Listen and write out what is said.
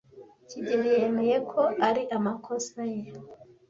kigeli yemeye ko ari amakosa ye.